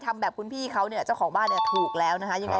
มันยาวอ่ะ